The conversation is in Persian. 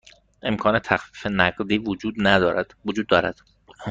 امکان تخفیف نقدی وجود دارد؟